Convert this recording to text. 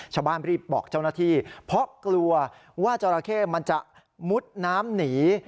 ชาวบ้านรีบบอกเจ้าหน้าที่เพราะกลัวว่าจราเข้มันจะมุดน้ำหนี